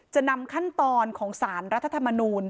จะนำขั้นตอนของสารรัฐธรรมนูล